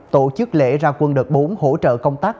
tổ chức lễ ra quân đợt bốn hỗ trợ công tác